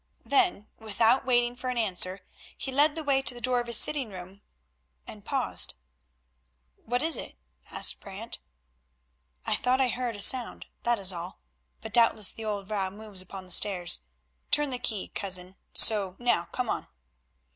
Then without waiting for an answer, he led the way to the door of his sitting room and paused. "What is it?" asked Brant. "I thought I heard a sound, that is all, but doubtless the old vrouw moves upon the stairs. Turn the key, cousin, so, now come on."